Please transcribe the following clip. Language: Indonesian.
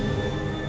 mano tau ga